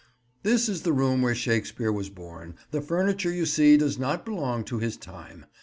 "This is the room where Shakespeare was born. The furniture you see does not belong to his time.